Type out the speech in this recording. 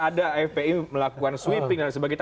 ada fpi melakukan sweeping dan sebagainya